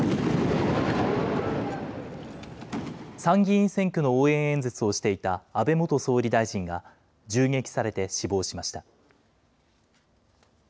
参議院選挙の応援演説をしていた安倍元総理大臣が銃撃されて死亡しました。